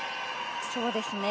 そうですね。